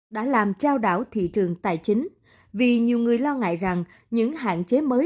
đã làm trao đảo thị trường tài chính vì nhiều người lo ngại rằng những hạn chế mới